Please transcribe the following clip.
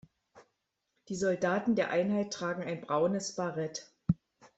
Die Soldaten der Einheit tragen ein braunes Barett.